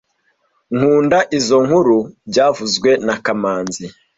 Nkunda izo nkuru byavuzwe na kamanzi